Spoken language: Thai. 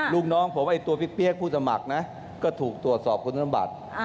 ลูกน้องผมไอ้ตัวเปี๊ยกผู้สมัครนะก็ถูกตรวจสอบคุณสมบัติ